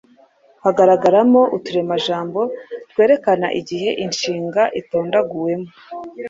Hagaragaramo uturemajambo twerekana igihe inshinga itondaguwemo.